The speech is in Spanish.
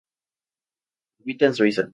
Habita en Suiza.